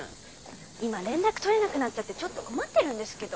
今連絡取れなくなっちゃってちょっと困ってるんですけど。